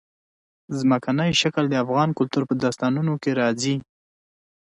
ځمکنی شکل د افغان کلتور په داستانونو کې راځي.